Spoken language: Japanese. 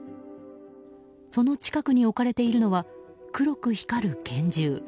その近くに置かれているのは黒く光る拳銃。